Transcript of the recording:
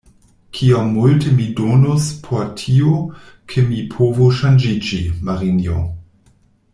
Kiom multe mi donus por tio, ke mi povu ŝanĝiĝi, Marinjo!